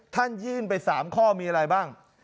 ท่านยื่นไป๓ข้อมีอะไรบ้าง